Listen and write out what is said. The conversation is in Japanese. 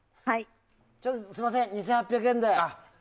すみません、２８００円で。